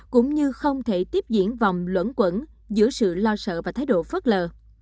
cũng như không thể tiếp diễn vòng luận quẩn giữa sự lo sợ và thái độ phớt lờ